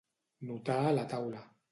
Notar a la taula.